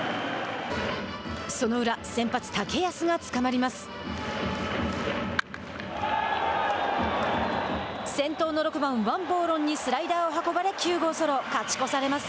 その裏、先発、竹安がつかまります。